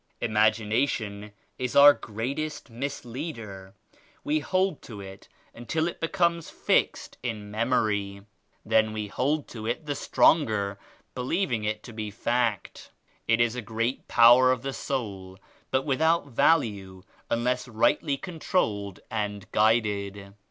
Imagination is our greatest misleader. We hold to it until it becomes fixed in memory. Then we hold to it the stronger believing it to be fact. It is a great power of the soul but without value unless rightly controlled and guided.